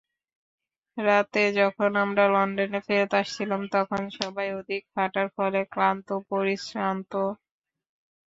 রাতে যখন আমরা লন্ডনে ফেরত আসছিলাম, তখন সবাই অধিক হাঁটার ফলে ক্লান্ত–পরিশ্রান্ত।